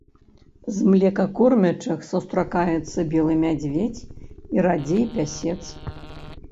З млекакормячых сустракаецца белы мядзведзь і радзей пясец.